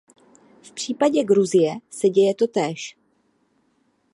V případě Gruzie se děje totéž.